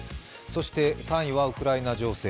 そして３位はウクライナ情勢。